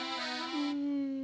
うん。